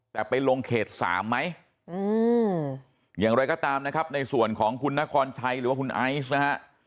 แต่ไปลงเขต๓ไหมอย่างไรก็ตามนะครับในส่วนของคุณนครชัยหรือว่าคุณไอซ์นะฮะ